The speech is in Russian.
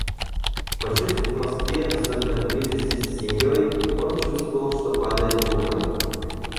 Пожив в Москве, особенно в близости с семьей, он чувствовал, что падает духом.